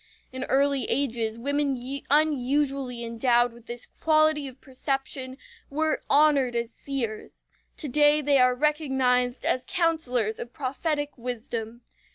In early ages women unusually endowed with this quality of perception were honored as seers. To day they are recognized as counselors of prophetic wisdom.